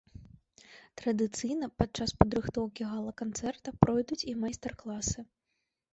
Традыцыйна падчас падрыхтоўкі гала-канцэрта пройдуць і майстар-класы.